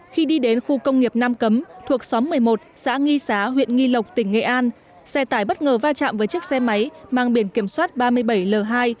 khi đi đến khu công nghiệp nam cấm thuộc xóm một mươi một xã nghi xá huyện nghi lộc tỉnh nghệ an xe tải bất ngờ va chạm với chiếc xe máy mang biển kiểm soát ba mươi bảy l hai bảy nghìn sáu trăm một mươi bốn